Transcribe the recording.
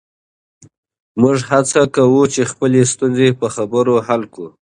موږ هڅه کوو چې خپلې ستونزې په خبرو حل کړو.